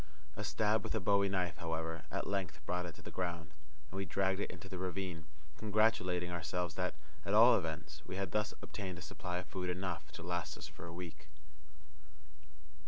A stab with a bowie knife, however, at length brought it to the ground, and we dragged it into the ravine, congratulating ourselves that, at all events, we had thus obtained a supply of food enough to last us for a week.